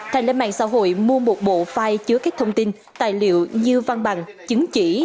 thành lên mạng xã hội mua một bộ file chứa các thông tin tài liệu như văn bằng chứng chỉ